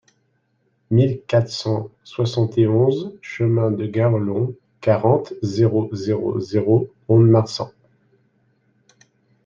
mille quatre cent soixante et onze chemin de Garrelon, quarante, zéro zéro zéro, Mont-de-Marsan